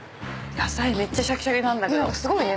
野菜めっちゃシャキシャキなんだけど。